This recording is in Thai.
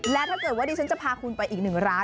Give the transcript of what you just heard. และถ้าเกิดว่าดิฉันจะพาคุณไปอีกหนึ่งร้าน